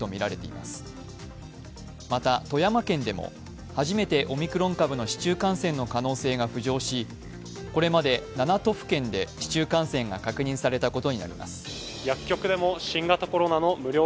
また、富山県でも初めてオミクロン株の市中感染の可能性が浮上し、これまで７都府県で市中感染が確認されたことになります。